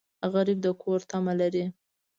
غریب د کور تمه لري